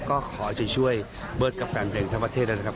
ก็ขอจะช่วยเบิร์ตกับแฟนเพลงทั้งประเทศแล้วนะครับ